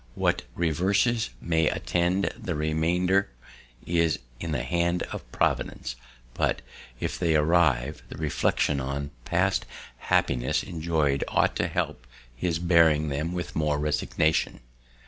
What reverses may attend the remainder is in the hand of Providence; but, if they arrive, the reflection on past happiness enjoy'd ought to help his bearing them with more resignation.